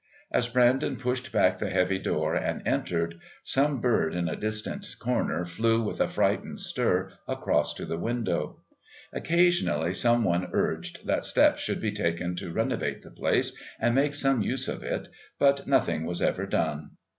As Brandon pushed back the heavy door and entered, some bird in a distant corner flew with a frightened stir across to the window. Occasionally some one urged that steps should be taken to renovate the place and make some use of it, but nothing was ever done.